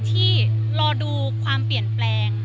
ที่รอดูความเปลี่ยนแปลง